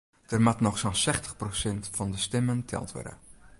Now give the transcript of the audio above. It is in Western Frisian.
Der moat noch sa'n sechstich prosint fan de stimmen teld wurde.